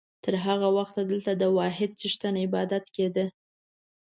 تر هغه وخته دلته د واحد څښتن عبادت کېده.